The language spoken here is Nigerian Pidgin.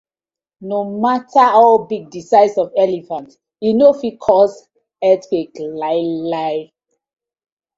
No matta how big di size of elephant, e no fit cause earthquake lai la.